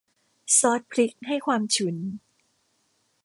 ซอสพริกให้ความฉุน